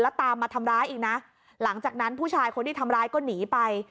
แล้วตามมาทำร้ายอีกนะหลังจากนั้นผู้ชายคนที่ทำร้ายก็หนีไป